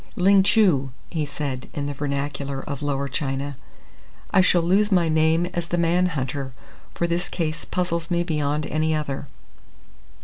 "Ling Chu," he said in the vernacular of Lower China, "I shall lose my name as the Man Hunter, for this case puzzles me beyond any other."